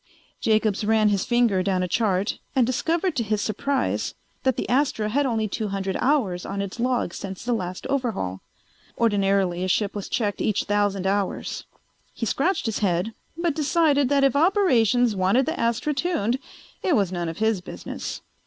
Jacobs ran his finger down a chart and discovered to his surprise that the Astra had only two hundred hours on its log since the last overhaul. Ordinarily a ship was checked each thousand hours. He scratched his head but decided that if Operations wanted the Astra tuned it was none of his business.